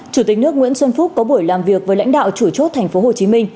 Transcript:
chủ tịch nước nguyễn xuân phúc có buổi làm việc với lãnh đạo chủ chốt tp hcm